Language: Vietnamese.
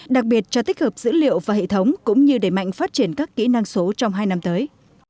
đặc biệt cho tích hợp dữ liệu và hệ thống cũng như đẩy mạnh phát triển các kỹ năng số trong hai năm tới